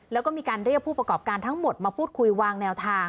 แล้วก็มีการเรียกผู้ประกอบการทั้งหมดมาพูดคุยวางแนวทาง